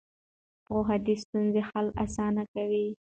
پوهه د ستونزو حل اسانه کوي.